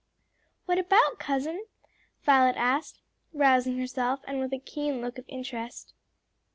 "What about, cousin?" Violet asked, rousing herself, and with a keen look of interest.